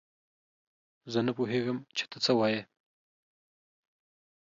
زه نه پوهېږم چې تۀ څۀ وايي.